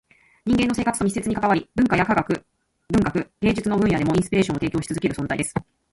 人間の生活と密接に関わり、文化や科学、文学、芸術の分野でもインスピレーションを提供し続ける存在です。